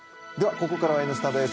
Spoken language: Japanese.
ここからは「Ｎスタ」です。